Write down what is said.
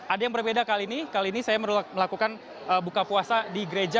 ada yang berbeda kali ini kali ini saya melakukan buka puasa di gereja